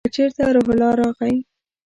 که چېرته روح الله راغی !